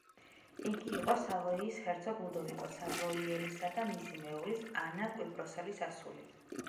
იგი იყო სავოიის ჰერცოგ ლუდოვიკო სავოიელისა და მისი მეუღლის, ანა კვიპროსელის ასული.